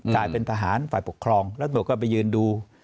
กลายเป็นทหารฝ่ายปกครองแล้วตำรวจก็ไปยืนดู